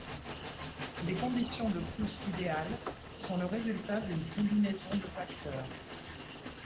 Les conditions de pousse idéales sont le résultat d'une combinaison de facteurs.